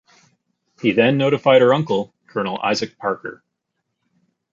He then notified her uncle, Colonel Isaac Parker.